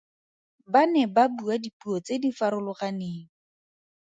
Ba ne ba bua dipuo tse di farologaneng.